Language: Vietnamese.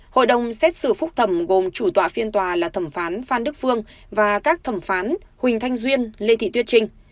hội đồng xét xử phúc thẩm gồm chủ tọa phiên tòa là thẩm phán phan đức phương và các thẩm phán huỳnh thanh duyên lê thị tuyết trinh